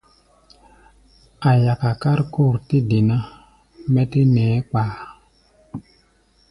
A̧ yaka kárkór tɛ́ de ná, mɛ́ tɛ́ nɛɛ́ kpa a.